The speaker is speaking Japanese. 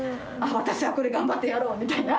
私はこれ頑張ってやろう！みたいな。